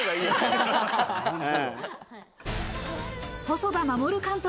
細田守監督